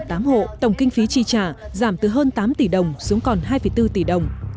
trong tám hộ tổng kinh phí tri trả giảm từ hơn tám tỷ đồng xuống còn hai bốn tỷ đồng